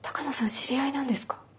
知り合いなんですか？